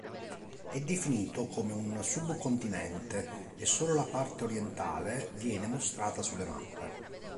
È definito come un subcontinente e solo la parte orientale viene mostrata sulle mappe.